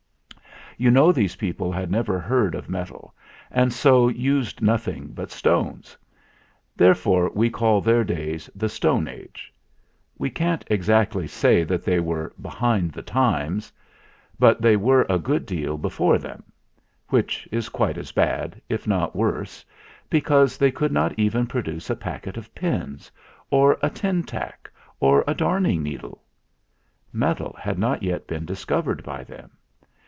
You know these people had never heard of metal, and so used nothing but stones. There fore we call their days the "Stone Age." We can't exactly say that they were "behind the times" ; but they were a good deal before them ; which is quite as bad, if not worse, because they could not even produce a packet of pins, or a tintack, or a darning needle. Metal had not yet been discovered by them.